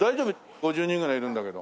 ５０人ぐらいいるんだけど。